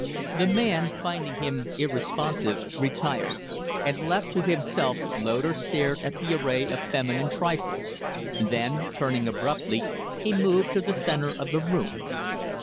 The man, finding him irresponsive, retired; and, left to himself, Loder stared at the array of feminine trifles; then, turning abruptly, he moved to the centre of the room.